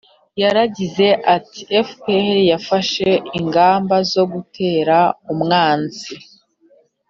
yaragize ati: «fpr yafashe ingamba zo gutera umwanzi